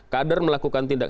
kader melakukan tindak